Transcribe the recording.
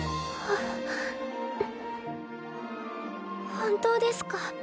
本当ですか？